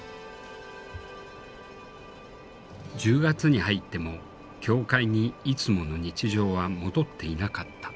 １０月に入っても教会にいつもの日常は戻っていなかった。